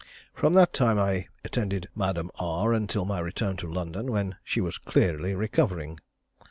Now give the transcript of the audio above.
From that time I attended Madame R until my return to London, when she was clearly recovering.